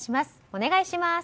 お願いします。